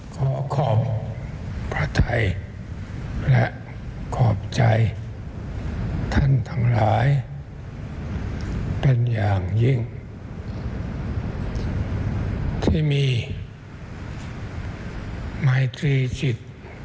ขอขอบพระไทยและขอบใจท่านทั้งหลายเป็นอย่างยิ่งที่มีไมตรีสิทธิ์